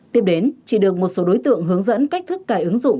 tiếp đến chị được một số đối tượng hướng dẫn cách thức cài ứng dụng